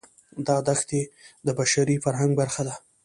دا دښتې د بشري فرهنګ برخه ده.